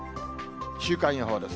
週間予報です。